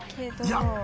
いや！